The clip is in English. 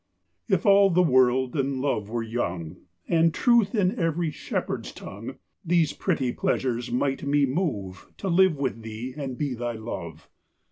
If all the world and Love were young, And truth in every shepherd's tongue, These pretty pleasures might me move To live with thee and be thy love.